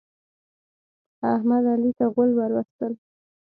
احمد، علي ته غول ور وستل.